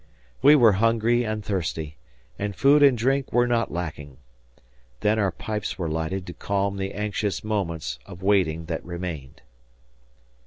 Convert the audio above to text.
We were hungry and thirsty; and food and drink were not lacking. Then our pipes were lighted to calm the anxious moments of waiting that remained.